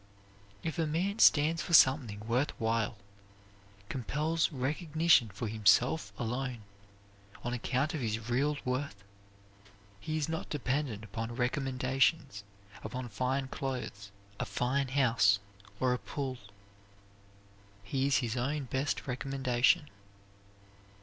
If a man stands for something worth while, compels recognition for himself alone, on account of his real worth, he is not dependent upon recommendations; upon fine clothes, a fine house, or a pull. He is his own best recommendation.